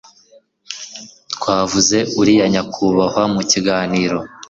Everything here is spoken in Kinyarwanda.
Twavuze uriya nyakubahwa mu kiganiro